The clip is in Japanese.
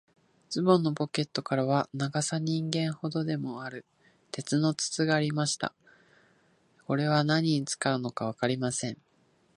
ズボンのポケットからは、長さ人間ほどもある、鉄の筒がありました。これは何に使うのかわかりません。